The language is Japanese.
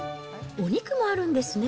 お肉もあるんですね。